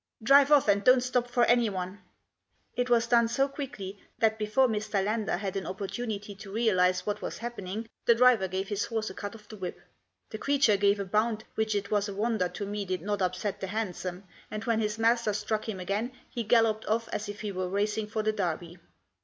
" Drive off, and don't stop for anyone !" It was done so quickly that before Mr. Lander had an opportunity to realise what was happening the driver gave his horse a cut of the whip. The creature gave a bound which it was a wonder to me did not upset the hansom, and when his master struck him again he galloped off as if he were racing for the Derby.